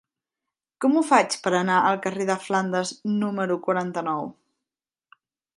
Com ho faig per anar al carrer de Flandes número quaranta-nou?